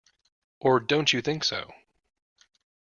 Or don't you think so?